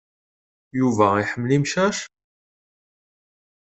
Yuba iḥemmel imcac?